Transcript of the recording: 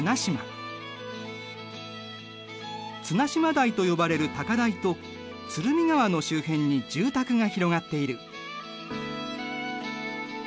綱島台と呼ばれる高台と鶴見川の周辺に住宅が広がっている。